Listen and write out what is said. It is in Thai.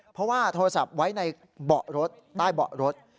เพราะว่าโทรศัพท์ไว้ในเบาะรถใต้เบาะรถ